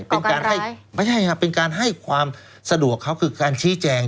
เป็นการให้ไม่ใช่ครับเป็นการให้ความสะดวกเขาคือการชี้แจง